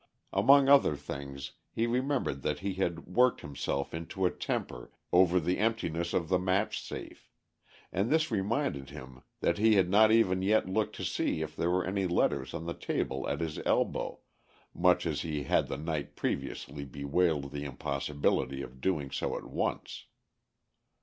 Among other things he remembered that he had worked himself into a temper over the emptiness of the match safe; and this reminded him that he had not even yet looked to see if there were any letters on the table at his elbow, much as he had the night previously bewailed the impossibility of doing so at once.